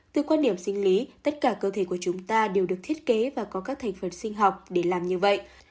từ quan điểm sinh lý tất cả cơ thể của chúng ta đều được thiết kế và có các thành phần sinh học để làm như vậy